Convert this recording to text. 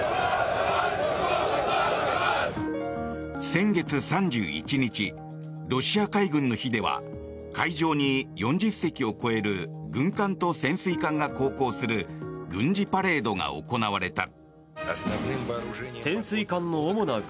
先月３１日ロシア海軍の日では海上に４０隻を超える軍艦と潜水艦が航行する軍事パレードが行われた。